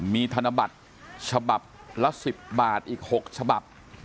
มีธนบัตรฉบับละ๑๐บาทอีก๖ฉบับ